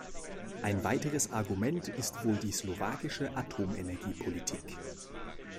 Ein weiteres Argument ist wohl die slowakische Atomenergiepolitik.